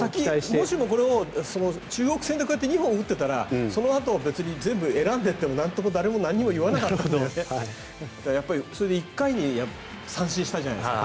もしもこれを中国戦で２本打っていたらそのあとは別に全部選んでっても誰も何も言わないけどだから、それで１回に三振したじゃないですか。